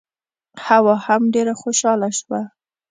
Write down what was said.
حوا هم ډېره خوشاله شوه.